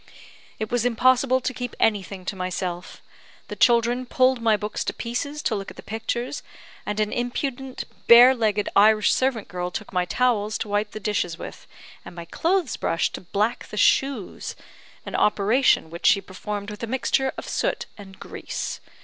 "It was impossible to keep anything to myself. The children pulled my books to pieces to look at the pictures; and an impudent, bare legged Irish servant girl took my towels to wipe the dishes with, and my clothes brush to black the shoes an operation which she performed with a mixture of soot and grease.